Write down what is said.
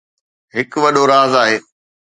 هڪ وڏو راز آهي